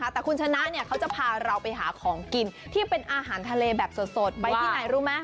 แต่คุณชนะเขาจะพาเราไปหาของกินที่เป็นอาหารทะเลแบบสดไปที่ไหนรู้ไหม